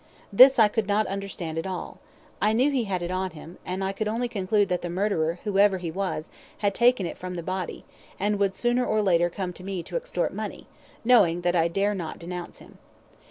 This I could not understand at all. I knew he had it on him, and I could only conclude that the murderer, whoever he was, had taken it from the body, and would sooner or later come to me to extort money, knowing that I dare not denounce him.